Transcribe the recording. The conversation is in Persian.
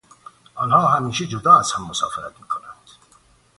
آنها همیشه جدا از هم مسافرت میکنند.